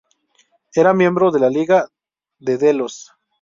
Era miembro de la Liga de Delos.